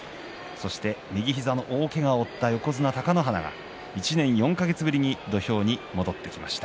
そして右膝に大けがを負った貴乃花が１年４か月ぶりに土俵に戻ってきました。